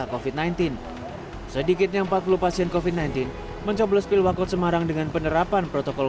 profit sembilan belas sedikitnya empat puluh pasien kofi sembilan belas mencoblos pilwa kode semarang dengan penerapan protokol